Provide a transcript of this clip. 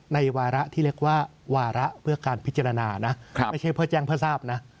วาระที่เรียกว่าวาระเพื่อการพิจารณานะไม่ใช่เพื่อแจ้งเพื่อทราบนะ